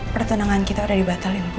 pertunangan kita udah dibatalin bu